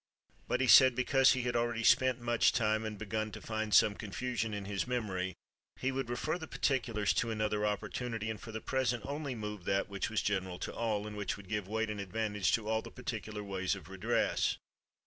But (he said) because he had already spent much time, and begun to find some confusion in his memory, he would refer the particulars to another opportunity, and for the present only move that which was general to all, and which would give weight and advantage to all the par ticular ways of redress.